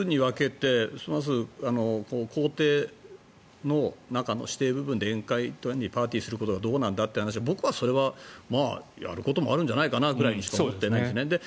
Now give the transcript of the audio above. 今の話２つに分けてまず公邸の中の私邸部分でパーティーをするのはどうなんだというのは僕はそれはやることもあるんじゃないかなぐらいにしか思ってないですね。